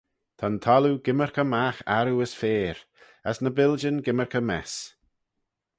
Ta'n thalloo gymmyrkey magh arroo as faiyr, as ny biljyn gymmyrkey mess.